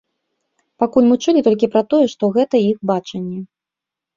Пакуль мы чулі толькі пра тое, што гэта іх бачанне.